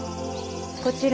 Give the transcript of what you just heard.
こちら